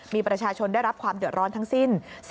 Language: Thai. มีประชาชนได้รับความเดือดร้อนทั้งสิ้น